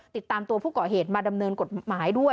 ติดตามตัวผู้ก่อเหตุมาดำเนินกฎหมายด้วย